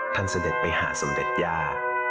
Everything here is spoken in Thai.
ท่านสะเด็ดไปหาสำเด็ดยา